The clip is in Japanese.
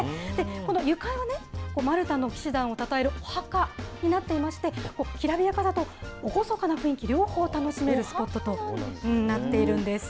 この床がね、マルタの騎士団をたたえるお墓になっていまして、きらびやかと厳かな雰囲気、両方楽しめるスポットとなっているんです。